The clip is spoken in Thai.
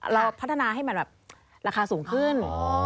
เราพัฒนาให้มันแบบราคาสูงขึ้น